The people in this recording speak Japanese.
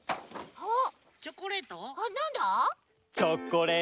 あっ！